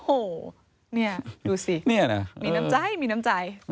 โอ้โหนี่ดูสิมีน้ำใจมีน้ำใจ